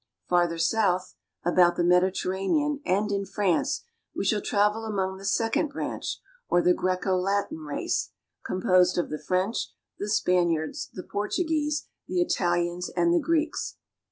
Farther south, about the Mediterranean and in France, we shall travel among the second branch or the Greco Latin race, composed of the French, the Spaniards, the Portuguese, the Italians, and the Greeks.